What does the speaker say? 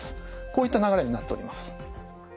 こういった流れになっております。